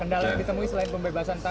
kendala yang temis laik pembebasan tanah